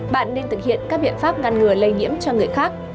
bạn nên thực hiện các biện pháp ngăn ngừa lây nhiễm cho người khác